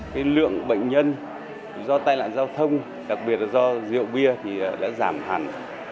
cái lượng bệnh nhân do tai nạn giao thông đặc biệt là do rượu bia thì đã giảm hẳn